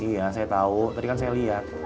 iya saya tau tadi kan saya liat